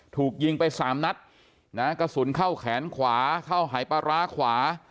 ถูกยิงไปสามนัดนะฮะกระสุนเข้าแขนขวาเข้าหายปลาร้าขวา